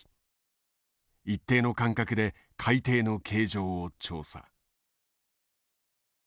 一定の間隔で海底の形状を調査。